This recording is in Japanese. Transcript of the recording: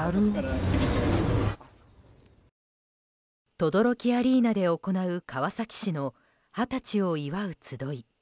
とどろきアリーナで行う川崎市の二十歳を祝うつどい。